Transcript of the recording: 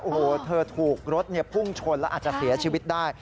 โอ้โหเธอถูกรถพุ่งชนแล้วอาจจะเสียชีวิตได้